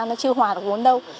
nó chưa hòa được vốn đâu